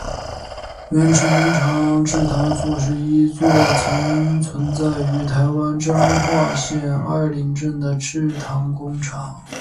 源成农场制糖所是一座曾存在于台湾彰化县二林镇的制糖工厂。